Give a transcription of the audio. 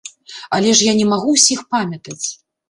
Але ж я не магу ўсіх памятаць.